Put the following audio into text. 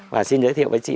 và xin giới thiệu với chị